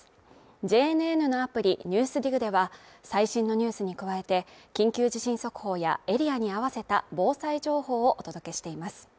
ＪＮＮのアプリ「ＮＥＷＳＤＩＧ」では、最新のニュースに加えて、緊急地震速報やエリアに合わせた防災情報をお届けしています。